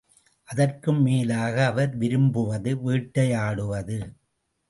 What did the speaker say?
அதற்கும் மேலாக அவர் விரும்புவது வேட்டையாடுவது.